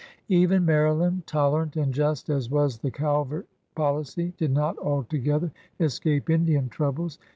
Even Maryland, tolerant and just as was the Calvert policy, did not altogether escape Indian troubles.